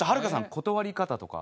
断り方とか。